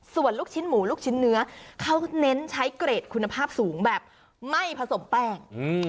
ส่วนลูกชิ้นหมูลูกชิ้นเนื้อเขาเน้นใช้เกรดคุณภาพสูงแบบไม่ผสมแป้ง